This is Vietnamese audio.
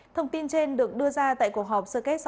thông tin trên được đưa ra tại cuộc họp sercet